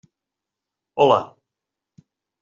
Hola!